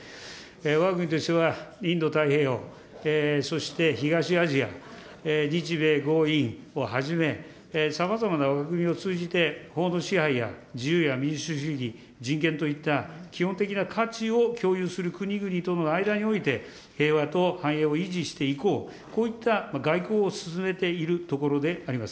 わが国としては、インド太平洋、そして東アジア、日米豪印をはじめ、さまざまな枠組みを通じて法の支配や自由や民主主義、人権といった基本的な価値を共有する国々との間において平和と繁栄を維持していこう、こういった外交を進めているところであります。